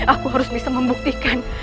aku harus bisa membuktikan